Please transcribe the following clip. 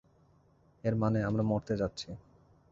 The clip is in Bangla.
এর মানে, আমরা মরতে যাচ্ছি।